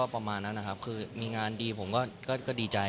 ไปกันอะไรอย่างนั้นดีใจ